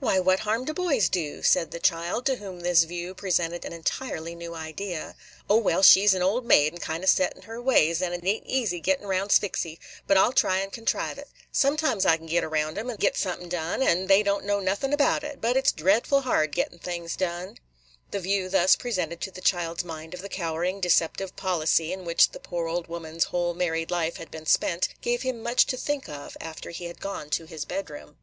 "Why, what harm do boys do?" said the child, to whom this view presented an entirely new idea. "O, well, she 's an old maid, and kind o' set in her ways; and it ain't easy gettin' round Sphyxy; but I 'll try and contrive it. Sometimes I can get round 'em, and get something done, when they don't know nothin' about it; but it 's drefful hard gettin' things done." The view thus presented to the child's mind of the cowering, deceptive policy in which the poor old woman's whole married life had been spent gave him much to think of after he had gone to his bedroom.